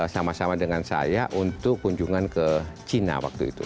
sama sama dengan saya untuk kunjungan ke cina waktu itu